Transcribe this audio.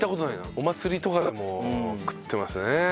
お祭りとかでも食ってましたね。